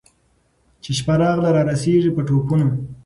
چي شپه راغله رارسېږي په ټوپونو